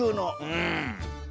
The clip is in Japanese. うん。